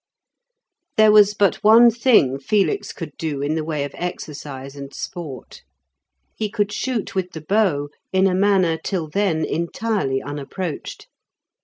There was but one thing Felix could do in the way of exercise and sport. He could shoot with the bow in a manner till then entirely unapproached.